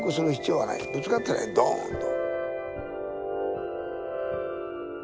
ぶつかったらいいドーンと。